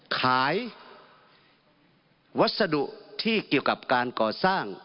ขายวัสดุที่เกี่ยวกับการก่อสร้าง